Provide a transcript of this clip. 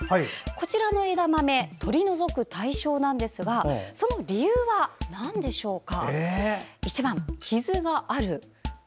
こちらの枝豆取り除く対象なんですがその理由はなんでしょうか？